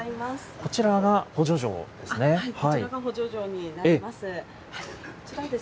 こちらが補助錠になります。